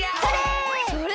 それ！